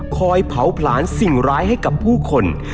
เผาผลาญสิ่งร้ายให้กับผู้คน